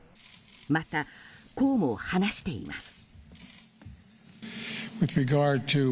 また、こうも話しています。